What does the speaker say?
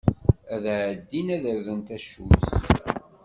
Ad ɛeddin ad rren tacuyt.